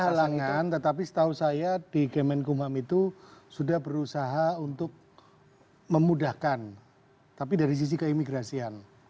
ada halangan tetapi setahu saya di kemenkumham itu sudah berusaha untuk memudahkan tapi dari sisi keimigrasian